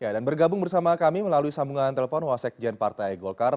dan bergabung bersama kami melalui sambungan telepon wasek jn partai golkar